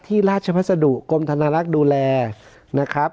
ที่ราชภัษาดุกรมธนารักดูแลนะครับ